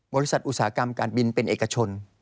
อุตสาหกรรมการบินเป็นเอกชน